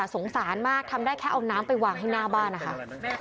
สงสารมากทำได้แค่เอาน้ำไปวางให้หน้าบ้านนะคะ